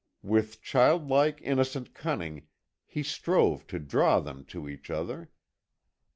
With childlike, innocent cunning he strove to draw them to each other.